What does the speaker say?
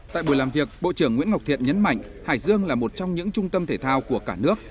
tại buổi làm việc bộ trưởng nguyễn ngọc thiện nhấn mạnh hải dương là một trong những trung tâm thể thao của cả nước